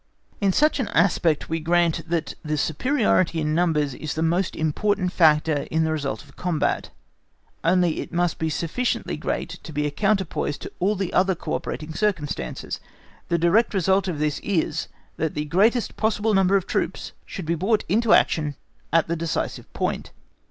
In such an aspect we grant, that the superiority in numbers is the most important factor in the result of a combat, only it must be sufficiently great to be a counterpoise to all the other co operating circumstances. The direct result of this is, that the greatest possible number of troops should be brought into action at the decisive point.